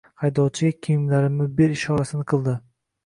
Haydovchiga kiyimlarimni ber ishorasini qildi.